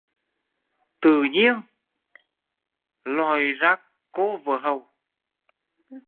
Tự nhiên dòi ra cô vợ hầu